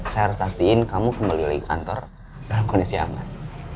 saya harus pastiin kamu kembali lagi kantor dalam kondisi aman